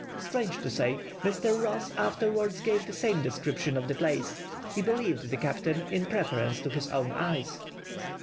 Strange to say, Mr. Ross afterwards gave the same description of the place; he believed the captain in preference to his own eyes.